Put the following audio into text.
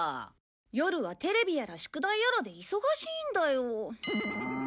夜はテレビやら宿題やらで忙しいんだよ！